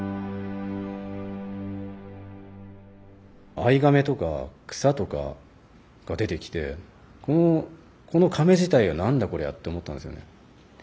藍甕とか草とかが出てきてこの甕自体が何だこりゃって思ったんですよね。